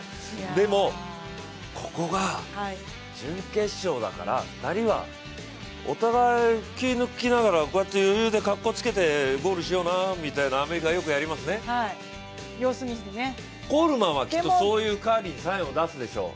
でも、ここが準決勝だから２人はお互い、気を抜きながらこうやって余裕でかっこつけてゴールしようなとアメリカはよくやりますね、コールマンはそういうカーリーにサインを出すでしょう。